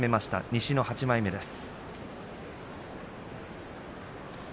西の８枚目です。